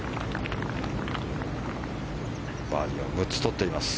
バーディーは６つとっています。